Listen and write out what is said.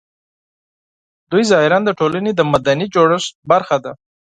دوی ظاهراً د ټولنې د مدني جوړښت برخه ده